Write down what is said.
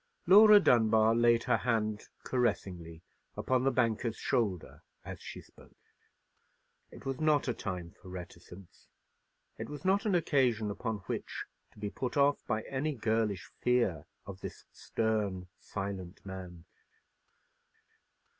Laura Dunbar laid her hand caressingly upon the banker's shoulder as she spoke. It was not a time for reticence; it was not an occasion upon which to be put off by any girlish fear of this stern, silent man.